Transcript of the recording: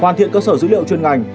hoàn thiện cơ sở dữ liệu chuyên ngành